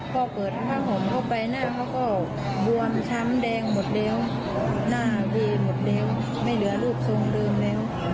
พอเปิดทั้งผ้าห่มเข้าไปหน้าเขาก็บวมช้ำแดงหมดแล้วหน้าเวย์หมดแล้วไม่เหลือรูปทรงเดิมแล้ว